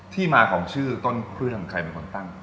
ที่มาของชื่อต้นเครื่องใครเป็นคนตั้ง